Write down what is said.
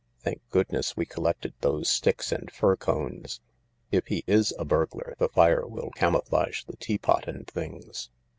Thank good ness we collected those sticks and fir cones ! If he is a burglar the fire will camouflage the tea pot and things."